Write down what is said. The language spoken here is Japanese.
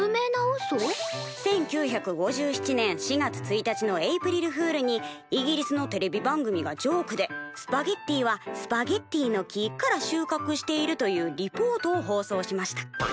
「１９５７年４月１日のエイプリルフールにイギリスのテレビ番組がジョークで『スパゲッティはスパゲッティの木からしゅうかくしている』というリポートを放送しました。